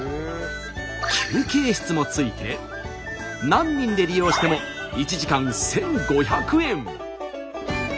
休憩室もついて何人で利用しても１時間１，５００円。